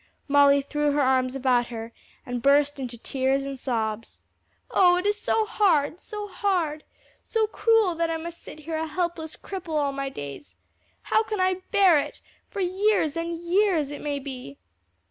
Molly threw her arms about her, and burst into tears and sobs. "Oh it is so hard, so hard! so cruel that I must sit here a helpless cripple all my days! How can I bear it, for years and years, it may be!"